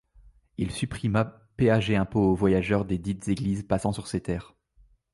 Il supprima péage et impôts aux voyageurs des dites églises passant sur ses terres.